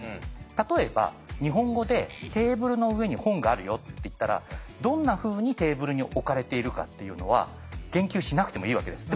例えば日本語で「テーブルの上に本があるよ」って言ったらどんなふうにテーブルに置かれているかっていうのは言及しなくてもいいわけです。